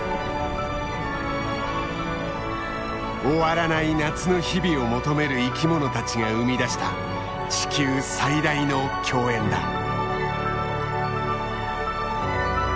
終わらない夏の日々を求める生きものたちが生み出した地球最大の饗宴だ。